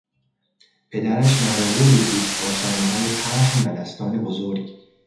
پدرش نره غولی بود با شانههای پهن و دستان بزرگ.